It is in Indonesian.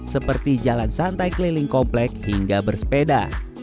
seperti jalan santai keliling komplek hingga bersepeda